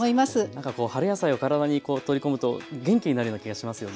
なんかこう春野菜を体に取り込むと元気になるような気がしますよね。